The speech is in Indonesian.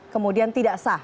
kemudian tidak sah